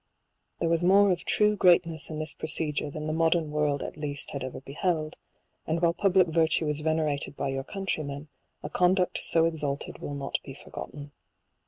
There was more of true greatness in this procedure than the modern world at least had ever beheld ; and while public virtue is venerated by your countrymen, a conduct so exalted will not be forgotten.